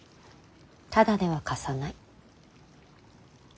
タダでは貸さない。